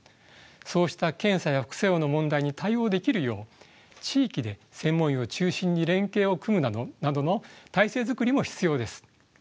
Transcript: そうした検査や副作用の問題に対応できるよう地域で専門医を中心に連携を組むなどの体制づくりも必要です。